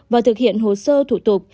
và thực hiện hồ sơ thủ tục